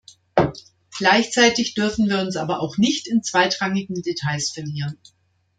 Gleichzeitig dürfen wir uns aber auch nicht in zweitrangigen Details verlieren.